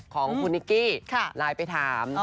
ของคุณนิกกี้ไลน์ไปถาม